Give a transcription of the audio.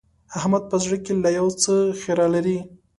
احمد په زړه کې لا يو څه خيره لري.